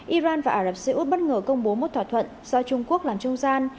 iran và ả rập xê út bất ngờ công bố một thỏa thuận do trung quốc làm trung gian